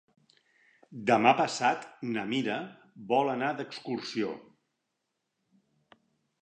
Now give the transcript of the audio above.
Demà passat na Mira vol anar d'excursió.